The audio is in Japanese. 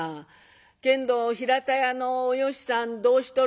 けんど平田屋のおよしさんどうしとる？